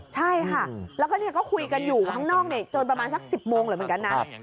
ใช่ค่ะแล้วก็คุยกันอยู่ข้างนอกจนประมาณสัก๑๐โมงเลยเหมือนกันนะ